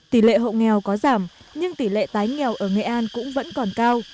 tỷ lệ hộ nghèo có giảm nhưng tỷ lệ tái nghèo ở nghệ an cũng vẫn còn cao